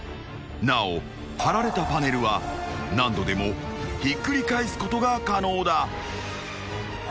［なおはられたパネルは何度でもひっくり返すことが可能だ］